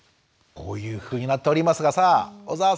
こういうふうになっておりますがさあ小澤さん